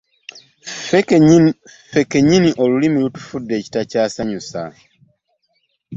Ffe kennyini olulimi tulufudde ekitakyasanyusa.